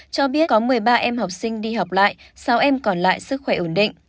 cho biết có một mươi ba em học sinh đi học lại sáu em còn lại sức khỏe ổn định